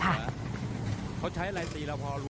เขาใช้อะไรตีเราพอรู้